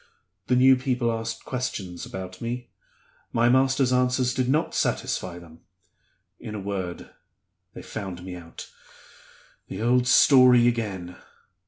The new people asked questions about me; my master's answers did not satisfy them. In a word, they found me out. The old story again!